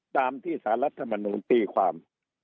ตามที่สารรัฐมนูลตีความ